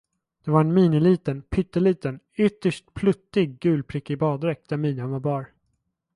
Det var en miniliten, pytteliten, ytterst pluttig gulprickig baddräkt där midjan var bar.